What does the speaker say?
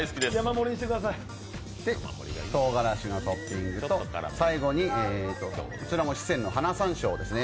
とうがらしのトッピングと、最後に四川の花さんしょうですね。